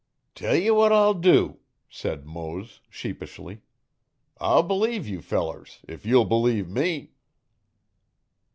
'Tell ye what I'll do,' said Mose sheepishly, 'I'll b'lieve you fellers if you'll b'lieve me.'